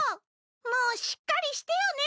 もうしっかりしてよね